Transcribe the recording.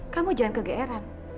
kamu jangan kegeeran